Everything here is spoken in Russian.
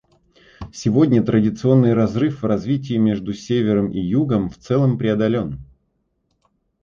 Сегодня традиционный разрыв в развитии между Севером и Югом в целом преодолен.